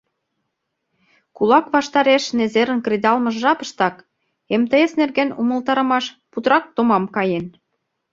Кулак ваштареш незерын кредалмыж жапыштак МТС нерген умылтарымаш путырак томам каен.